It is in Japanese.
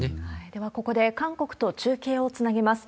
では、ここで韓国と中継をつなぎます。